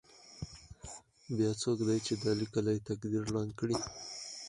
بیا څوک دی چې دا لیکلی تقدیر ړنګ کړي.